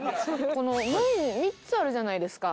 門３つあるじゃないですか。